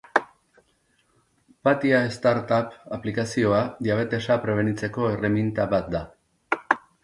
Patia start app aplikazioa diabetesa prebenitzeko erreminta bat da.